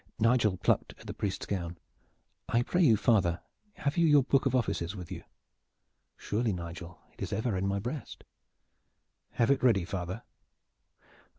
Nigel plucked at the priest's gown. "I pray you, father, have you your book of offices with you?" "Surely, Nigel, it is ever in my breast." "Have it ready, father!"